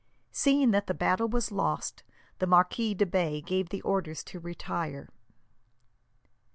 Seeing that the battle was lost, the Marquis de Bay gave the order to retire.